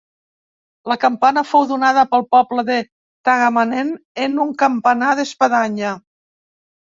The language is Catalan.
La campana fou donada pel poble de Tagamanent en un campanar d'espadanya.